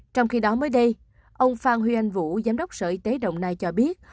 trong khi đó mới đây ông phan huy anh vũ giám đốc sở y tế đồng nai cho biết